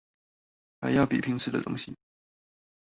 還要比拼吃的食物